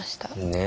ねえ。